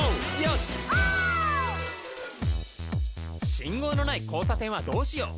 信号のない交差点はどうしよう！